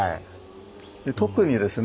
特にですね